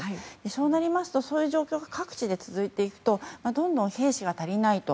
そうなりますと、そういう状況が各地で続いていくとどんどん兵士が足りないと。